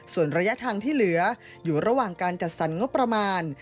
ส่วนระยะทางที่เหลืออยู่ระหว่างการจัดสรรงบประมาณ